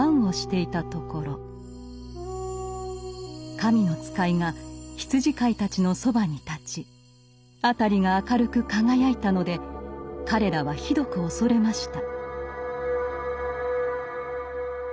神の使いが羊飼いたちのそばに立ち辺りが明るく輝いたので彼らはひどく恐れました。